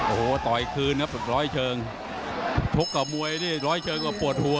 โอ้โหต่อยคืนครับฝึกร้อยเชิงชกกับมวยนี่ร้อยเชิงก็ปวดหัว